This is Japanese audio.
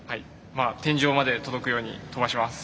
天井まで届くように跳ばします。